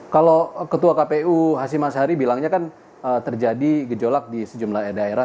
kalau ketua kpu hashim ashari bilangnya kan terjadi gejolak di sejumlah daerah